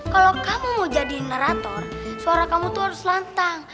kalau kamu mau jadi nerator suara kamu tuh harus lantang